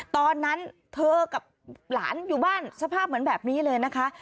ตอนนั้นเธอกับหลานอยู่บ้านสภาพเหมือนแบบนี้เลยนะคะ